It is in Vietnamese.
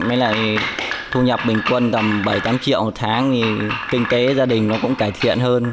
mới là thu nhập bình quân gần bảy tám triệu một tháng thì kinh tế gia đình nó cũng cải thiện hơn